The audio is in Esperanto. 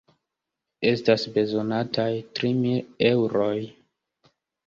Estas bezonataj tri mil eŭroj.